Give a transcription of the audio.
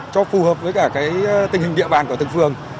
cho phù hợp với cả cái tình hình địa bàn của từng phường